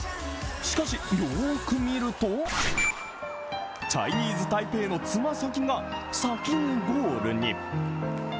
しかしよーく見るとチャイニーズ・タイペイのつま先が先にゴールに。